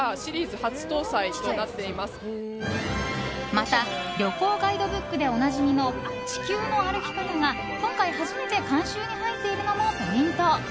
また旅行ガイドブックでおなじみの「地球の歩き方」が今回初めて監修に入っているのもポイント。